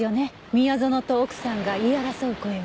宮園と奥さんが言い争う声を。